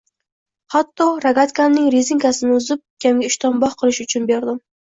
Hatto rogatkamning rezinkasini uzib, ukamga ishtonbog‘ qilish uchun berdim.